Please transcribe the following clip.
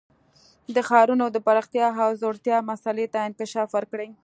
د ښارونو د پراختیا او ځوړتیا مسئلې ته انکشاف ورکړي.